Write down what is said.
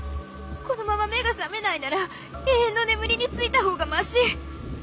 このまま目が覚めないなら永遠の眠りについた方がまし。